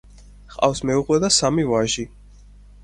ჰყავს მეუღლე და სამი ვაჟი.